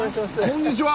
こんにちは。